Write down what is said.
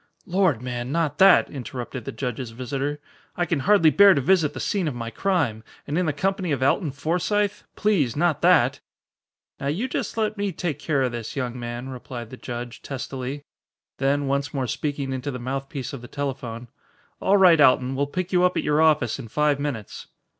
"Lord, man, not that!" interrupted the judge's visitor. "I can hardly bear to visit the scene of my crime and in the company of Alton Forsythe. Please, not that!" "Now you just let me take care of this, young man," replied the judge, testily. Then, once more speaking into the mouthpiece of the telephone, "All right, Alton. We'll pick you up at your office in five minutes."